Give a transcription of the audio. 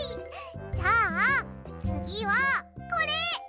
じゃあつぎはこれ！